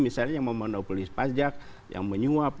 misalnya yang memonopolis pajak yang menyuap